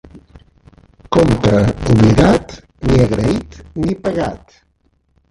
Compte oblidat, ni agraït ni pagat.